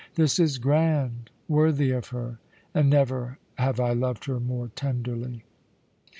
This is grand, worthy of her, and never have I loved her more tenderly.